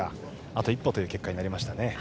あと一歩という結果になりましたね。